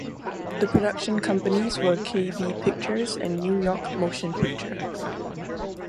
The production companies were Kay-Bee Pictures and New-York Motion Picture.